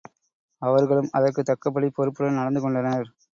அவர்களும் அதற்குத் தக்கபடி பொறுப்புடன் நடந்து கொண்டனர்.